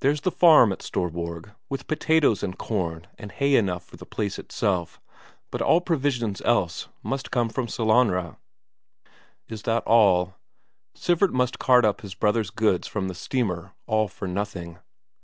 There's the farm at Storborg, with potatoes and corn and hay enough for the place itself, but all provisions else must come from Sellanraa. Is that all? Sivert must cart up his brother's goods from the steamer all for nothing.